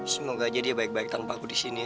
semoga aja dia baik baik tanpa aku di sini